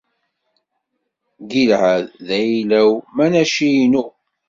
Gilɛad, d ayla-w! Manaci, inu!